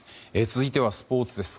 続いてはスポーツです。